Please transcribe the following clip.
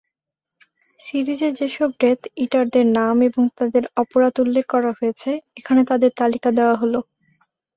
সিরিজে যেসব ডেথ ইটারদের নাম ও তাদের অপরাধ উল্লেখ করা হয়েছে, এখানে তাদের তালিকা দেওয়া হলঃ